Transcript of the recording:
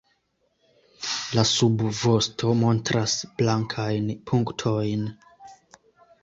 La subvosto montras blankajn punktojn.